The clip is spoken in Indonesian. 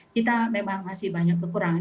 kita memang masih banyak kekurangan